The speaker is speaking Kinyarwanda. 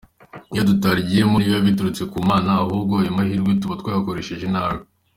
Iyo tutarigiyemo, ntibiba biturutse ku Mana, ahubwo ayo mahirwe tuba twayakoresheje nabi.